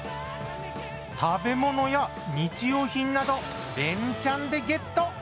食べ物や日用品など連チャンでゲット。